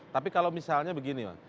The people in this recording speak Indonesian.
tapi kalau misalnya begini